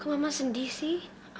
kok mamah sedih sih